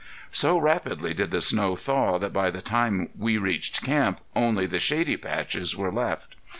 So rapidly did the snow thaw that by the time we reached camp only the shady patches were left.